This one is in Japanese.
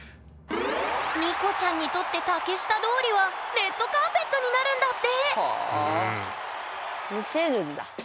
ＮＩＣＯちゃんにとって竹下通りはレッドカーペットになるんだってはあみせるんだ。